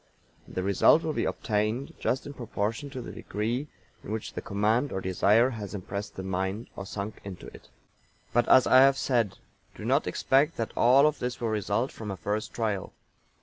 And the result will be obtained just in proportion to the degree in which the command or desire has impressed the mind, or sunk into it. But, as I have said: Do not expect that all of this will result from a first trial.